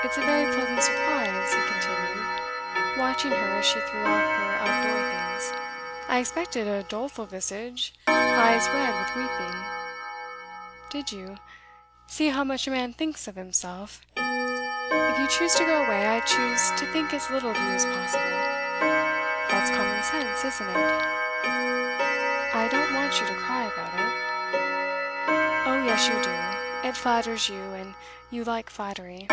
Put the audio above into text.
'It's a very pleasant surprise,' he continued, watching her as she threw off her out door things. 'I expected a doleful visage, eyes red with weeping.' 'Did you? See how much a man thinks of himself! If you choose to go away, I choose to think as little of you as possible. That's common sense isn't it?' 'I don't want you to cry about it.' 'Oh yes, you do. It flatters you, and you like flattery.